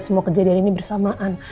semua kejadian ini bersamaan